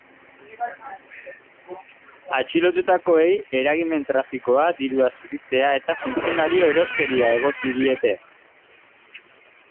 Atxilotutakoei eragimen-trafikoa, dirua zuritzea eta funtzionario-eroskeria egotzi diete.